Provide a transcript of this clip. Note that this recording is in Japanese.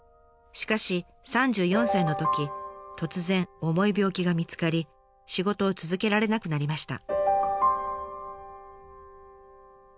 しかし３４歳のとき突然重い病気が見つかり仕事を続けられなくなりました。